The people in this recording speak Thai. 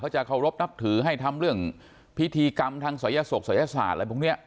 จะเคารพนับถือให้ทำเรื่องพิธีกรรมทางศัยศกศัยศาสตร์อะไรพวกนี้